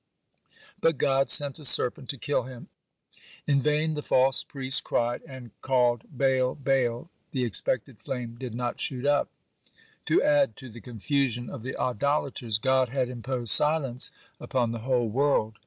But God sent a serpent to kill him. (15) In vain the false priests cried and called, Baal! Baal! the expected flame did not shoot up. To add to the confusion of the idolaters, God had imposed silence upon the whole world.